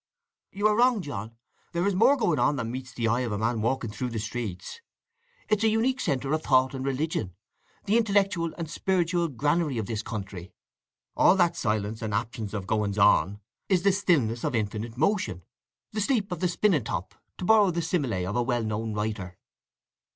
"You are wrong, John; there is more going on than meets the eye of a man walking through the streets. It is a unique centre of thought and religion—the intellectual and spiritual granary of this country. All that silence and absence of goings on is the stillness of infinite motion—the sleep of the spinning top, to borrow the simile of a well known writer."